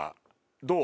どう？